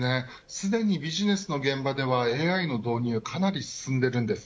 すでにビジネスの現場ではＡＩの導入かなり進んでいるんです。